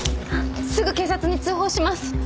すぐ警察に通報します。